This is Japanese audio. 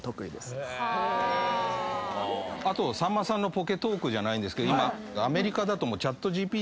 さんまさんのポケトークじゃないんですけど今アメリカだと。